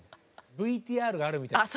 ＶＴＲがあるみたいです。